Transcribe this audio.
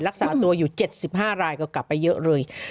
รักษาตัวอยู่๗๕รายก็กลับไปเยอะเลย